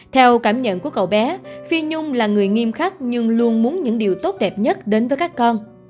theo cảm nhận của cậu bé phi nhung là người nghiêm khắc nhưng luôn muốn những điều tốt đẹp nhất đến với các con